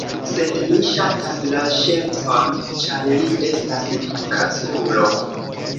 Sed mi ŝatas la ŝercon, ĉar li estas kaculo.